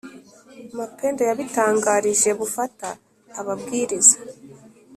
mapendo yabitangarijebufata ababwiza